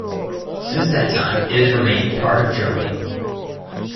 Since that time it has remained part of Germany.